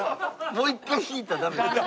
もう一回引いたらダメですか？